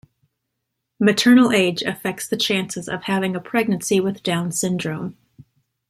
Maternal age affects the chances of having a pregnancy with Down syndrome.